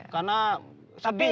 karena sedih bu